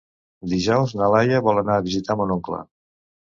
Dijous na Laia vol anar a visitar mon oncle.